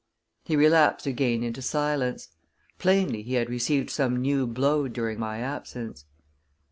He relapsed again into silence. Plainly, he had received some new blow during my absence.